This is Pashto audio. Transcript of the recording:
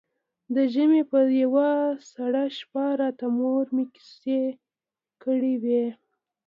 د ژمي په يوه سړه شپه راته مور مې کيسې کړې وې.